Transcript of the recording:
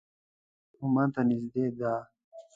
د اردن پایتخت عمان ته نږدې ده.